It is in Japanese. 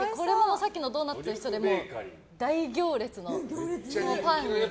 さっきのドーナツと一緒で大行列のパン。